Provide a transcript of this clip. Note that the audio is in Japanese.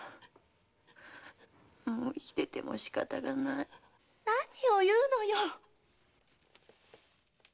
もう生きてても仕方がない。何を言うのよ！